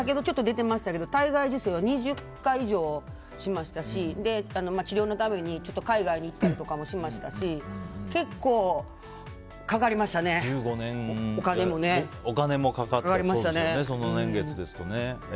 先ほどちょっと出てましたけど体外受精は２０回以上しましたし治療のために、ちょっと海外に行ったりとかもしましたしその年月ですとね。